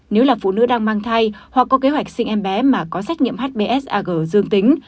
nếu là phụ nữ đang mang thai hoặc có kế hoạch sinh em bé mà có sách nghiệm hbs ag dương tính